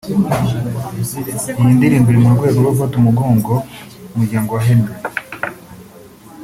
Iyi ndirimbo iri mu rwego rwo gufata mu mugongo umuryango wa Henry